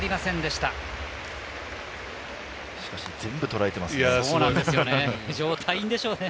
しかし全部とらえていますね。